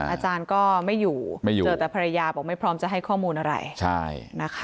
อาจารย์ก็ไม่อยู่เจอแต่ภรรยาบอกไม่พร้อมจะให้ข้อมูลอะไร